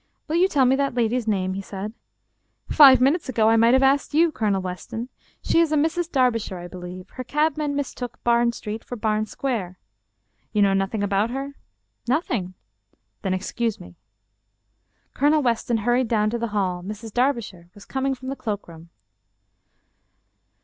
" Will you tell me that lady's name ?" he said. " Five minutes ago I might have asked you, Colonel 291 English Mystery Stories Weston. She is a Mrs. Darbishire, I believe. Her cab* man mistook Bam Street for Bam Square." " You know nothing about her? "" Nothing." " Then excuse me." Colonel Weston hurried down to the hall. Mrs. Darbi shire was coming from the cloak room.